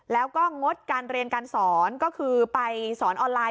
แล้วก็งดการเรียนการสอนก็คือไปสอนออนไลน